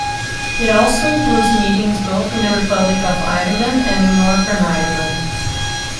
It also includes meetings both in the Republic of Ireland and in Northern Ireland.